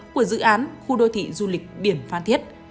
của dự án khu đô thị du lịch biển phan thiết